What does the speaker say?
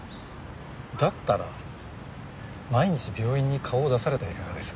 だったら毎日病院に顔を出されてはいかがです？